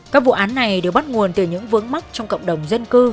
các vụ án này đều bắt nguồn từ những vướng mắc trong cộng đồng dân cư